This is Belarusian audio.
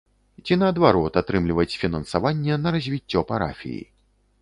Ці наадварот, атрымліваць фінансаванне на развіццё парафіі.